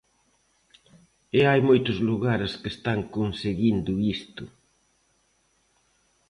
E hai moitos lugares que están conseguindo isto.